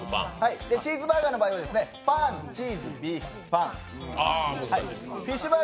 チーズバーガーの場合はパン・チーズ・ビーフ・パン。